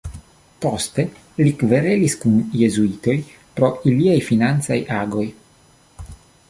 Poste li kverelis kun jezuitoj pro iliaj financaj agoj.